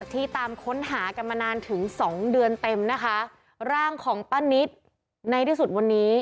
ที่ตามค้นหากันมานานถึงสองเดือนเต็มนะคะร่างของป้านิตในที่สุดวันนี้